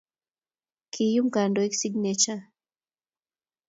kiyum kandoik sikineja